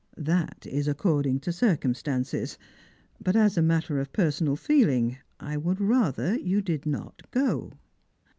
" That is according to circumstances. But as a matter of per sonal feeling, I would rather you did not go."